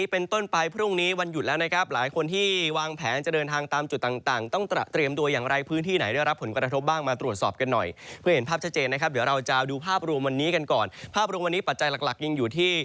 ภาพรวงวันนี้ปัจจัยหลักยิ่งอยู่ที่